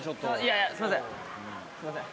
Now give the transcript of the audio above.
すいません。